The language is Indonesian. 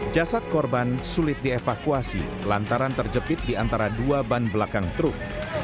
jasad korban sulit dievakuasi lantaran terjepit di antara dua ban belakang truk